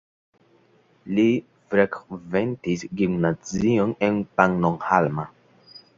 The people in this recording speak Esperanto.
Li frekventis gimnazion en Pannonhalma.